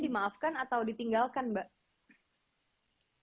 dimaafkan atau ditinggalkan mbak